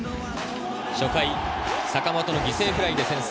初回、坂本の犠牲フライで先制。